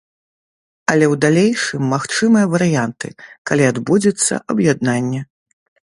Але ў далейшым магчымыя варыянты, калі адбудзецца аб'яднанне.